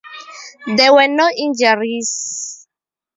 There were no injuries.